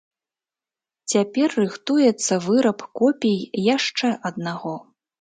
Цяпер рыхтуецца выраб копій яшчэ аднаго.